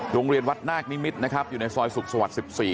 โรงเรียนวัดนาคนิมิตรนะครับอยู่ในซอยสุขสวรรค์๑๔